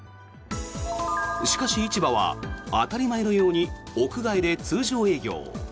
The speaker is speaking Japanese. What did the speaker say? しかし、市場は当たり前のように屋外で通常営業。